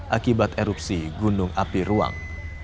akibat erupsi gunung api ruang